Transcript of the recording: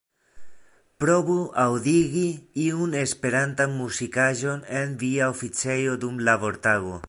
Provu aŭdigi iun Esperantan muzikaĵon en via oficejo dum labortago.